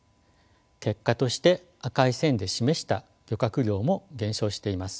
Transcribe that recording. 結果として赤い線で示した漁獲量も減少しています。